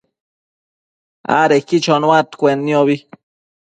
adequi chonuaccuenniobi